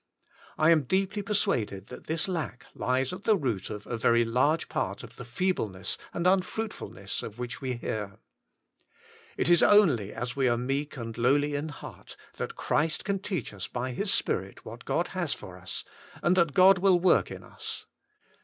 I am deeply persuaded that this lack lies at the root of a very large part of the feebleness and unfruitfulness of which we hear. It is only as we are meek and lowly in heart, that Christ can teach us by His Spirit what God has for us, and that God wiU work in us.